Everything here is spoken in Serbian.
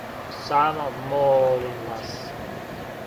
Само, молим вас.